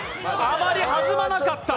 あまり弾まなかった！